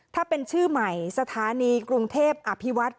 ถ้าเป็นชื่อใหม่สถานีกรุงเทพอภิวัฒน์